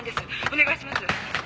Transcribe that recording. お願いします。